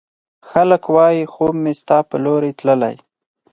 خلګ وايي، خوب مې ستا په لورې تللی